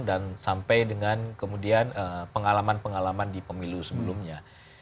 dan sampai dengan kemudian pengalaman pengalaman di pemilu sebelumnya